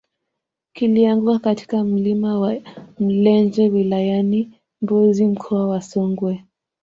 kilianguka katika mlima wa mlenje wilayani mbozi mkoa wa songwe